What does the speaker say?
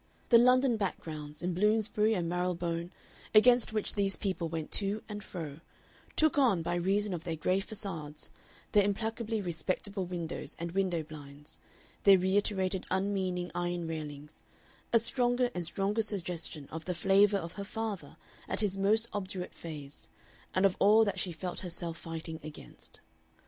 The London backgrounds, in Bloomsbury and Marylebone, against which these people went to and fro, took on, by reason of their gray facades, their implacably respectable windows and window blinds, their reiterated unmeaning iron railings, a stronger and stronger suggestion of the flavor of her father at his most obdurate phase, and of all that she felt herself fighting against.